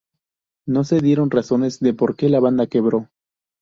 No se dieron razones de porque la banda quebró.